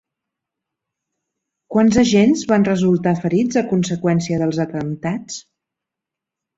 Quants agents van resultar ferits a conseqüència dels atemptats?